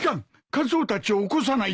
カツオたちを起こさないと。